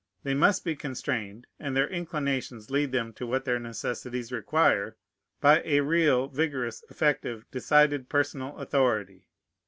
They must be constrained (and their inclinations lead them to what their necessities require) by a real, vigorous, effective, decided, personal authority.